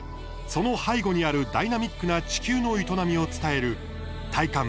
その背後にあるダイナミックな地球の営みを伝える「体感！